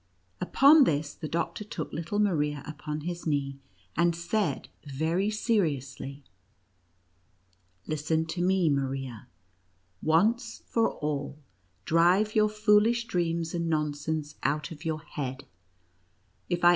Upon this, the doctor took little Maria upon his knee, and said very seriously :" Listen to me, Maria. Once for all, drive your foolish dreams and nonsense out of your head. If I NUTCRACKER AND MOUSE KING.